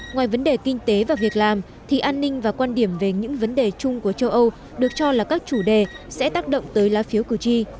ngoài vấn đề kinh tế và việc làm thì an ninh và quan điểm về những vấn đề chung của châu âu được cho là các chủ đề sẽ tác động tới lá phiếu cử tri